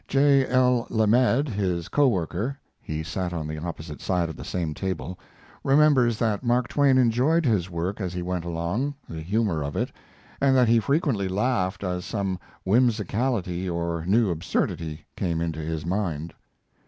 J. L. Lamed, his co worker (he sat on the opposite side of the same table), remembers that Mark Twain enjoyed his work as he went along the humor of it and that he frequently laughed as some whimsicality or new absurdity came into his mind.